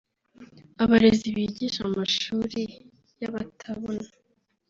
Abarezi bigisha mu mashuli y’abatabona